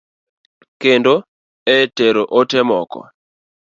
Kendo e tero ote moko.